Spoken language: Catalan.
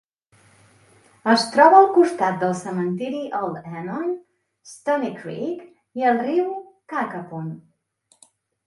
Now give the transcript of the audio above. Es troba al costat del cementiri Old Enon, Stony Creek i el riu Cacapon.